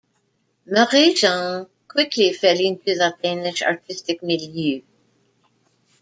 Marie Jeanne quickly fell into the Danish artistic milieu.